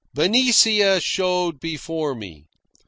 Benicia showed before me.